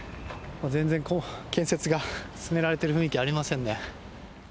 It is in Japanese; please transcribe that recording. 全然、建設が進められている雰囲気はありませんね。